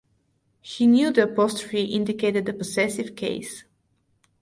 He knew the apostrophe indicated the possessive case.